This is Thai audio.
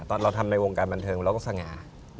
ตอนเราทำในวงการบันเทิงเราก็สง่า